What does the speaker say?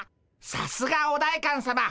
さすがお代官さま。